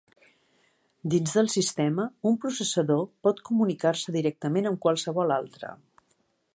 Dins del sistema, un processador pot comunicar-se directament amb qualsevol altre.